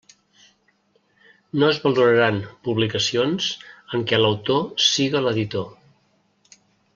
No es valoraran publicacions en què l'autor siga l'editor.